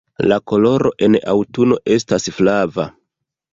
La koloro en aŭtuno estas flava.